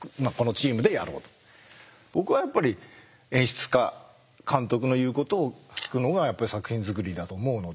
僕はやっぱり演出家監督の言うことを聞くのが作品作りだと思うので。